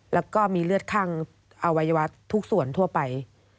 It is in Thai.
แล้วก็มีเลือดข้างอวัยวะทุกส่วนทั่วไป